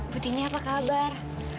butini apa kabar